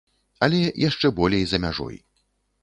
Але яшчэ болей за мяжой.